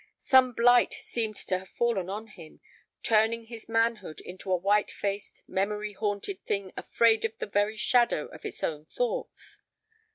Some blight seemed to have fallen on him, turning his manhood into a white faced, memory haunted thing afraid of the very shadow of its own thoughts.